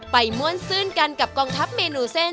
ม่วนซื่นกันกับกองทัพเมนูเส้น